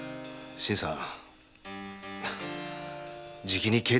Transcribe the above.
新さん！